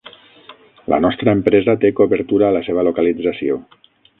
La nostra empresa té cobertura a la seva localització.